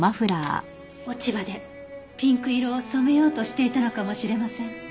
落ち葉でピンク色を染めようとしていたのかもしれません。